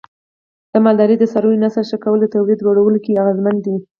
د مالدارۍ د څارویو نسل ښه کول د تولید لوړولو کې اغیزمن دی.